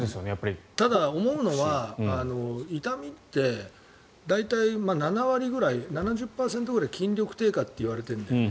ただ、思うのは痛みって大体７割ぐらい７０％ぐらい筋力低下といわれているんだよね。